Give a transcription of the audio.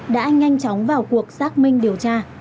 đã nhanh chóng vào cuộc xác minh điều tra